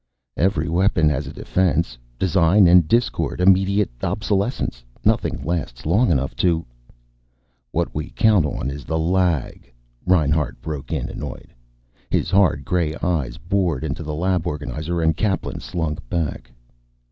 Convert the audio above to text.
"Every weapon has a defense. Design and discord. Immediate obsolescence. Nothing lasts long enough to " "What we count on is the lag," Reinhart broke in, annoyed. His hard gray eyes bored into the lab organizer and Kaplan slunk back.